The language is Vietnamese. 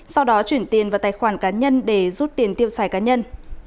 sau đó chuyển tiền vào tài khoản cá nhân để rút tiền tiêu xài cá nhân